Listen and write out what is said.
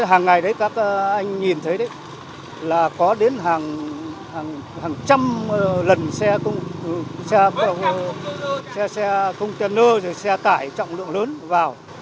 hàng ngày đấy các anh nhìn thấy đấy là có đến hàng trăm lần xe công tên ơ xe tải trọng lượng lớn vào